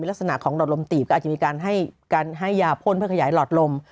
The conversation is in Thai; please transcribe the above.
ลักษณะของหลอดลมตีบก็อาจจะมีการให้ยาพ่นเพื่อขยายหลอดลม